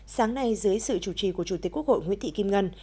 sáng nay dưới sự chủ trì của chủ tịch quốc hội nguyễn thị kim ngân